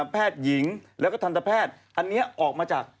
แพทย์หญิงแล้วก็ทันตแพทย์อันนี้ออกมาจาก